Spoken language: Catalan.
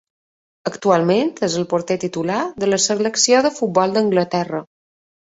Actualment és el porter titular de la selecció de futbol d'Anglaterra.